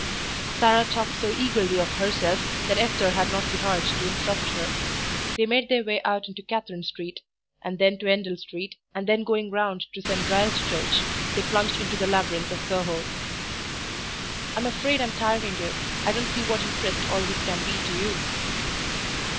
Sarah talked so eagerly of herself that Esther had not the heart to interrupt her. They made their way out into Catherine Street, and then to Endell Street, and then going round to St. Giles' Church, they plunged into the labyrinth of Soho. "I'm afraid I'm tiring you. I don't see what interest all this can be to you."